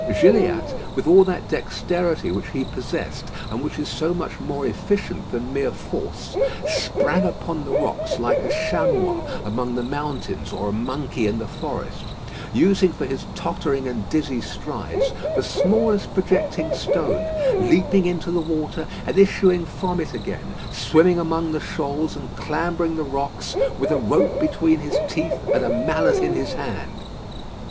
Gilliatt, with all that dexterity which he possessed, and which is so much more efficient than mere force, sprang upon the rocks like a chamois among the mountains or a monkey in the forest; using for his tottering and dizzy strides the smallest projecting stone; leaping into the water, and issuing from it again; swimming among the shoals and clambering the rocks, with a rope between his teeth and a mallet in his hand.